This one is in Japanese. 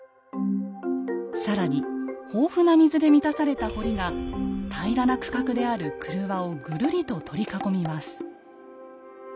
更に豊富な水で満たされた堀が平らな区画である曲輪をぐるりと取り囲みます。